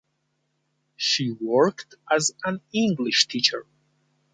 She worked as an English teacher.